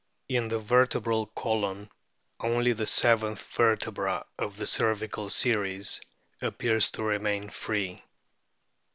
In the vertebral column only the seventh vertebra of the cervical series appears to remain free.